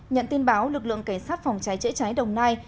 nhận tin báo lực lượng cảnh sát phòng cháy chữa cháy đồng nai